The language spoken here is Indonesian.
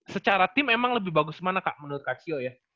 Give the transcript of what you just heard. secara tim emang lebih bagus mana kak menurut kasio ya